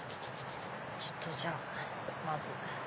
ちょっとじゃあまず。